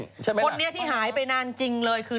คนนี้ที่หายไปนานจริงเลยคือ